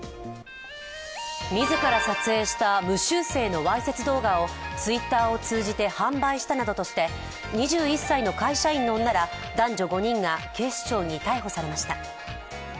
自ら撮影した無修正のわいせつ動画をＴｗｉｔｔｅｒを通じて販売したなどとして２１歳の会社員の女ら男女５人が警視庁に逮捕されました。